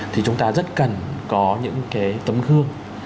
thì chúng ta rất cần có những cái tấm gương